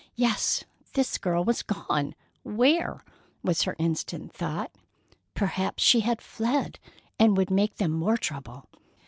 Yes, the girl was gone. Where? was her instant thought. Perhaps she had fled, and would make them more trouble.